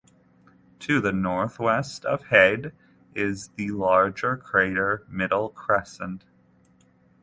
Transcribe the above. To the northwest of Head is the larger crater Middle Crescent.